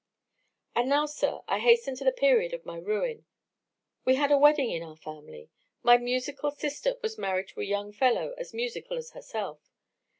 "And now, sir, I hasten to the period of my ruin. We had a wedding in our family; my musical sister was married to a young fellow as musical as herself.